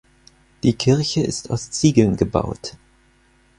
Die Kirche ist aus Ziegeln gebaut.